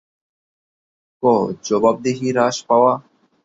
ক. জবাবদিহি হ্রাস পাওয়া